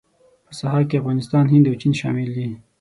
په ساحه کې افغانستان، هند او چین شامل دي.